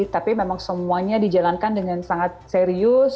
tapi memang semuanya dijalankan dengan sangat serius